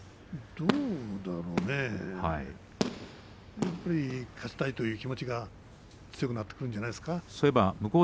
どうだろうねやっぱり勝ちたいという気持ちが強くなってくるんじゃないですか。